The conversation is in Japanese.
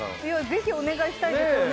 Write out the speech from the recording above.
ぜひお願いしたいですよね。